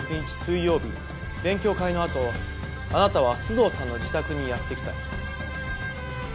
水曜日勉強会のあとあなたは須藤さんの自宅にやって来た。